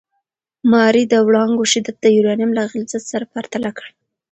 ماري د وړانګو شدت د یورانیم له غلظت سره پرتله کړ.